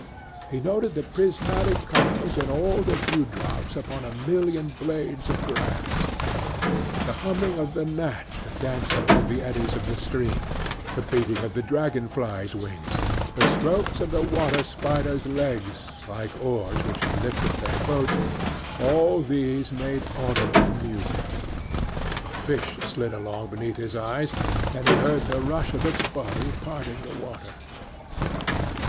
He noted the prismatic colors in all the dewdrops upon a million blades of grass. The humming of the gnats that danced above the eddies of the stream, the beating of the dragon flies' wings, the strokes of the water spiders' legs, like oars which had lifted their boat all these made audible music. A fish slid along beneath his eyes and he heard the rush of its body parting the water.